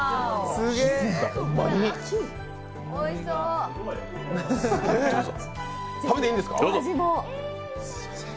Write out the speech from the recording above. すいません。